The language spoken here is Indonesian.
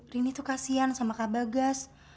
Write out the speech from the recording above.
rini tuh kasian sama kak bagas